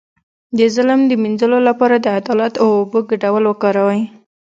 د ظلم د مینځلو لپاره د عدالت او اوبو ګډول وکاروئ